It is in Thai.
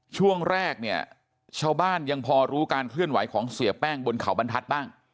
ช่วงแรกเนี่ยชาวบ้านยังพอรู้การเคลื่อนไหวของเสียแป้งบนเขาบรรทัศน์บ้าง